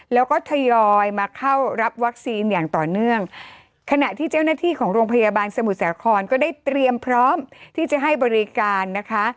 แล้วก็ทยอยมาเข้ารับวัคซีนอย่างต่อเนื่องขณะที่เจ้าหน้าที่ของโรงพยาบาลสมุทรสาครก็ได้เตรียมพร้อมที่จะให้บริการนะคะ